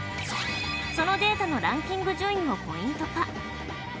そのデータのランキング順位をポイント化